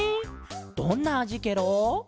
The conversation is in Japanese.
どんなあじケロ？